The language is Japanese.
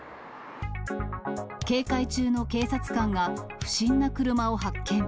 警戒中の警察官が不審な車を発見。